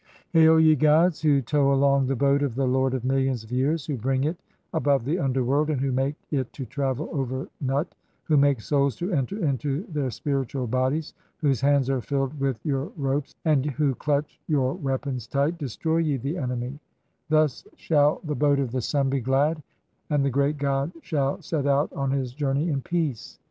"Hail, ye gods, who tow along the boat of the lord of millions "of years, who bring [it] (8) above the underworld and who make "it to travel over Nut, who make souls to enter into [their] spiritual "bodies, (9) whose hands are filled with your ropes and who clutch "your weapons tight, destroy ye (10) the Enemy ; thus shall the "boat of the sun be glad and the great God shall set out on his "journey in peace.